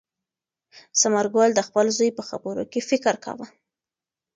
ثمر ګل د خپل زوی په خبرو کې فکر کاوه.